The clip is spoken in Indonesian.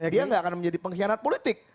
dia nggak akan menjadi pengkhianat politik